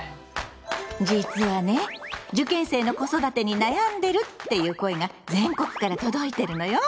実はね「受験生の子育てに悩んでる」っていう声が全国から届いてるのよ。